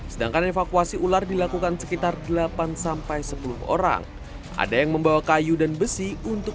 sedangkan evakuasi ular dilakukan sekitar delapan sampai sepuluh orang ada yang membawa kayu dan besi untuk